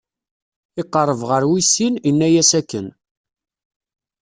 Iqerreb ɣer wis sin, inna-as akken.